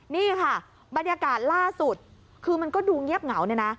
นี่ค่ะบรรยากาศล่าสุดคือมันก็ดูเงียบเหงาเนี่ยนะ